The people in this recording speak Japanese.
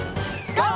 ＧＯ！